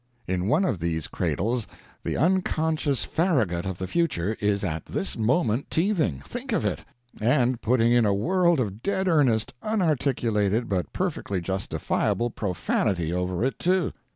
In one of these cradles the un conscious Farragut of the future is at this mo ment teething — think of it! — and putting in a world of dead earnest, unarticulated, but per fectly justifiable profanity over it, too.